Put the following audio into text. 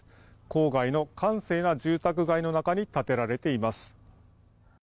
郊外の閑静な住宅街の中に建てられています。